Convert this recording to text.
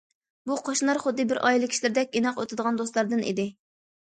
بۇ قوشنىلار خۇددى بىر ئائىلە كىشىلىرىدەك ئىناق ئۆتىدىغان دوستلاردىن ئىدى.